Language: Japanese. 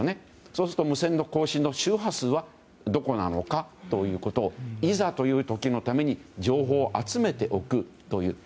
そうすると無線の周波数がどこなのかというのをいざという時のために情報を集めておくという。